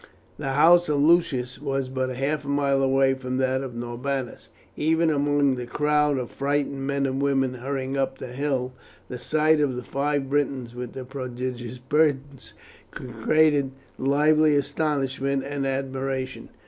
The house of Lucius was but half a mile away from that of Norbanus. Even among the crowd of frightened men and women hurrying up the hill the sight of the five Britons, with their prodigious burdens created lively astonishment and admiration.